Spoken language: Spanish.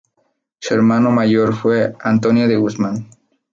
Su hermano mayor fue Antonio de Guzmán.